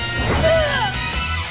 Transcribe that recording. ああ！